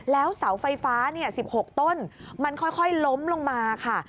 แล้วเสาไฟฟ้า๑๖ต้นมันค่อยล้มลงมาค่ะ